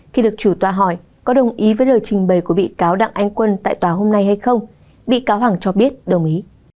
khi được chủ tọa hỏi có đồng ý với lời trình bày của bị cáo đặng anh quân tại tòa hôm nay hay không bị cáo hằng cho biết đồng ý